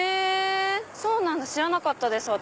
そうなんだ知らなかったです私。